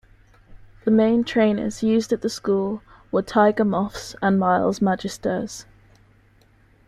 The main trainers used at the school were Tiger Moths and Miles Magisters.